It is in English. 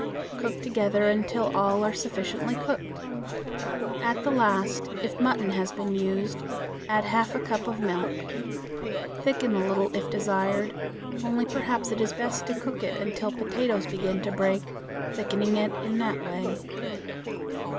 Cook together until all are sufficiently cooked. At the last, if mutton has been used, add half a cup of milk. Thicken a little if desired, only perhaps it is best to cook it until potatoes begin to break, thickening it in that way.